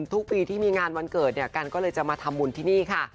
ทุกปีที่มีงานวันเกิดเนี่ยกันก็เลยจะมาทำบุญที่นี่ค่ะ